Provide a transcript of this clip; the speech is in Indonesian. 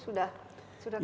itu sudah kesana pak